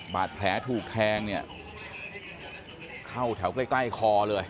บาดแผลถูกแทงเนี่ยเข้าแถวใกล้ใกล้คอเลย